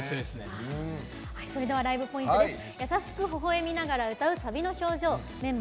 それではライブポイントです。